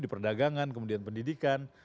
di perdagangan kemudian pendidikan